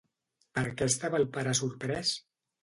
Per què estava el pare sorprès?